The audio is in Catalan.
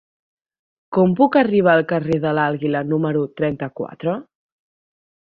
Com puc arribar al carrer de l'Àliga número trenta-quatre?